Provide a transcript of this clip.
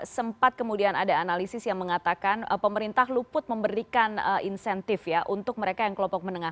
sempat kemudian ada analisis yang mengatakan pemerintah luput memberikan insentif ya untuk mereka yang kelompok menengah